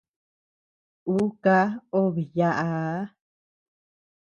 Ú ká obe yaʼaa.